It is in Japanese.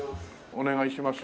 お願いします。